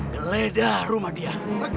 geledah rumah dia